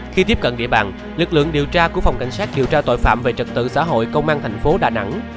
khi tiếp cận địa bàn lực lượng điều tra của phòng cảnh sát điều tra tội phạm về trật tự xã hội công an thành phố đà nẵng